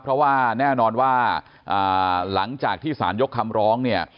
เพราะว่าแน่นอนว่าหลังจากที่สารยกคำร้องเนี่ย